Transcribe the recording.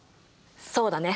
そうだね。